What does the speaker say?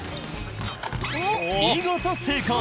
見事、成功。